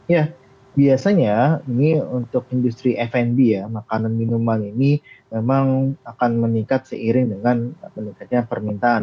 ya biasanya ini untuk industri fnb ya makanan minuman ini memang akan meningkat seiring dengan meningkatnya permintaan